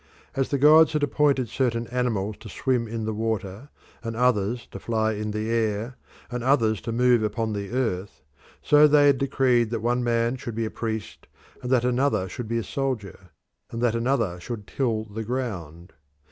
As the gods had appointed certain animals to swim in the water, and others to fly in the air, and others to move upon the earth, so they had decreed that one man should be a priest, and that another should be a soldier, and that another should till the ground.